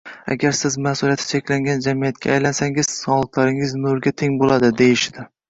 agar siz ma’suliyati cheklangan jamiyatga aylansangiz, soliqlaringiz nolga teng bo‘ladi, deyishdi.